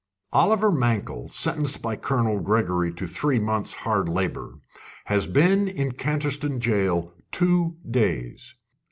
Oliver Mankell, sentenced by Colonel Gregory to three months' hard labour, has been in Canterstone Jail two days.